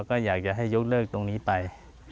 ก็อยากจะให้ยกเลิกตรงนี้ไป